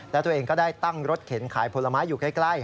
และตัวเองก็ได้ตั้งรถเข็นขายผลไม้อยู่ใกล้